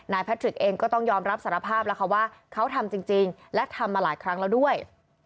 แพทริกเองก็ต้องยอมรับสารภาพแล้วค่ะว่าเขาทำจริงและทำมาหลายครั้งแล้วด้วย